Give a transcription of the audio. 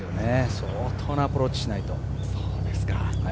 相当なアプローチをしないと。